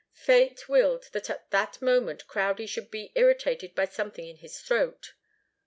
Fate willed that at that moment Crowdie should be irritated by something in his throat.